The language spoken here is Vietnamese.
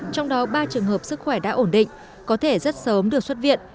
trong đó ba trường hợp sức khỏe đã ổn định có thể rất sớm được xuất viện